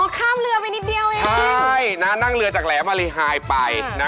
ข้ามเรือไปนิดเดียวเองใช่นะนั่งเรือจากแหลมมารีไฮไปนะ